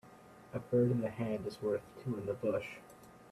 A bird in the hand is worth two in the bush